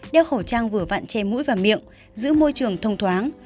đeo khẩu trang vừa vạn tre mũi và miệng giữ môi trường thông thoáng